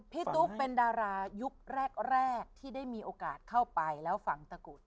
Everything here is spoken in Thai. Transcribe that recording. ตุ๊กเป็นดารายุคแรกที่ได้มีโอกาสเข้าไปแล้วฝังตะกรุด